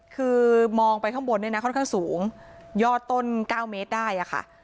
คือมองไปข้างบนเนี่ยนะค่อนข้างสูงยอดต้น๙เมตรได้อะค่ะ